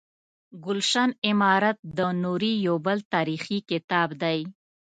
ګلشن امارت د نوري یو بل تاریخي کتاب دی.